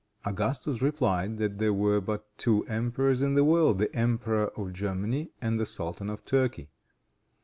Augustus replied, that there were but two emperors in the world, the Emperor of Germany and the Sultan of Turkey.